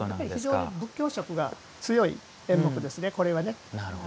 非常に仏教色が強い演目ですね、これはね。